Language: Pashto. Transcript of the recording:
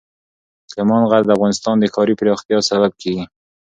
سلیمان غر د افغانستان د ښاري پراختیا سبب کېږي.